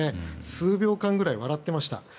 数秒間くらい笑ってました。